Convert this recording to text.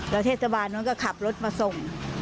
แล้วเทศบาลนั้นก็ขับรถมาส่ง